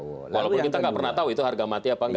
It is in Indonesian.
walaupun kita tidak pernah tahu itu harga mati atau tidak